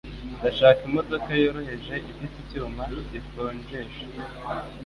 Ndashaka imodoka yoroheje ifite icyuma gikonjesha.